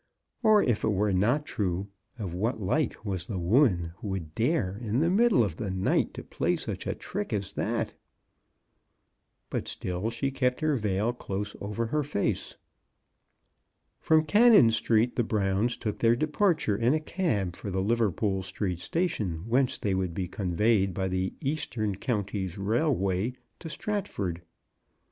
Or if it were not true, of what like was the woman who would dare in the middle of the night to play such a trick as that? But still she kept her veil close over her face. From Cannon Street the Browns took their departure in a cab for the Liverpool Street Sta tion, whence they would be conveyed by the Eastern Counties Railway to Stratford.